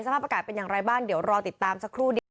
สภาพอากาศเป็นอย่างไรบ้างเดี๋ยวรอติดตามสักครู่เดียว